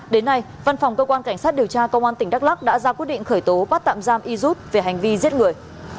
đến nay văn phòng cơ quan cảnh sát điều tra công an tỉnh đắk lắc đã ra quyết định khởi tố bắt tạm giam y jut về hành vi giết người